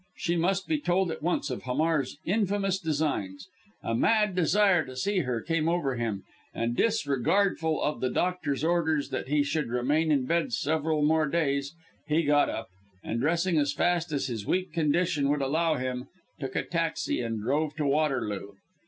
She must be told at once of Hamar's infamous designs. A mad desire to see her came over him, and disregardful of the doctor's orders that he should remain in bed several more days, he got up, and dressing as fast as his weak condition would allow him, took a taxi and drove to Waterloo.